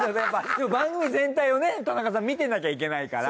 番組全体をね田中さん見てなきゃいけないから。